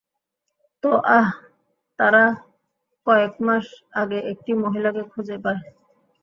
তো, আহ, তারা কয়েকমাস আগে একটি মহিলাকে খোঁজে পায়।